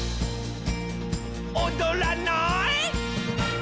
「おどらない？」